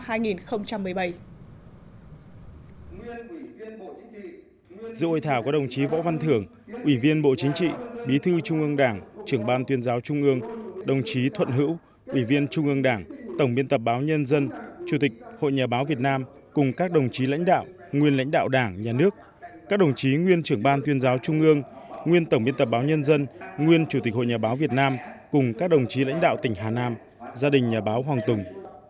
hội thảo của đồng chí võ văn thưởng ủy viên bộ chính trị bí thư trung ương đảng trưởng ban tuyên giáo trung ương đồng chí thuận hữu ủy viên trung ương đảng tổng biên tập báo nhân dân chủ tịch hội nhà báo việt nam cùng các đồng chí lãnh đạo nguyên lãnh đạo đảng nhà nước các đồng chí nguyên trưởng ban tuyên giáo trung ương nguyên tổng biên tập báo nhân dân nguyên chủ tịch hội nhà báo việt nam cùng các đồng chí lãnh đạo tỉnh hà nam gia đình nhà báo hoàng tùng